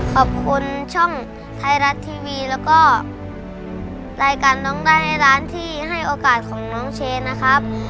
ขอบคุณช่องไทยรัฐทีวีแล้วก็รายการร้องได้ให้ร้านที่ให้โอกาสของน้องเชนนะครับ